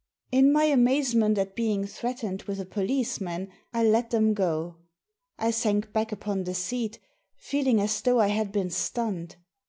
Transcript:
In my amazement at being threatened with a policeman I let them go. I sank back upon the seat, feeling as though I had been stunned.